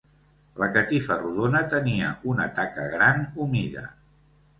La catifa rodona tenia una taca gran humida.